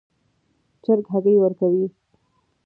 چرګ هګۍ ورکوي